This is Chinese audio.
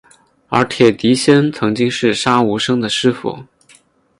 而铁笛仙曾经是杀无生的师父。